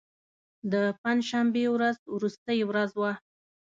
د پنج شنبې ورځ وروستۍ ورځ وه.